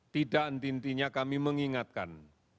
tidak entintinya kami mengingatkan